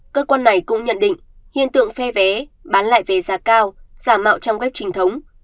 cơ quan này cũng nhận định hiện tượng phe vé bán lại về giá cao giả mạo trong web trinh thống